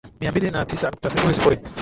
mia mbili na tisa nukta sifuri sifuri